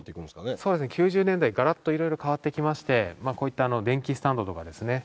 そうですね９０年代ガラッと色々変わってきましてこういった電気スタンドとかですね。